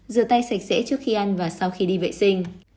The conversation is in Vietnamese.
rửa tay sạch sẽ trước khi ăn và sau khi đi vệ sinh